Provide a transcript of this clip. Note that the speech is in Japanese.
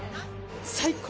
最高！